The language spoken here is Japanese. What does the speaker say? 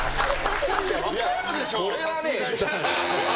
これはね。